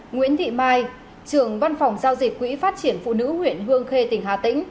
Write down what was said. nguyễn thị mai trường văn phòng giao dịch quỹ phát triển phụ nữ huyện hương khê tỉnh hà tĩnh